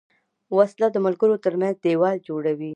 وسله د ملګرو تر منځ دیوال جوړوي